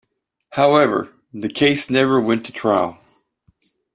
However, the case never went to trial.